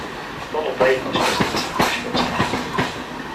Ronald Reagan was president at the time of Ashbrook's death.